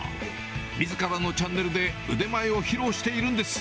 みずからのチャンネルで腕前を披露しているんです。